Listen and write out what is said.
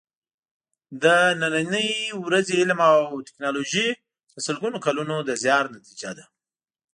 د نننۍ ورځې علم او ټېکنالوجي د سلګونو کالونو د زیار نتیجه ده.